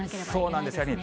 そうなんですよね。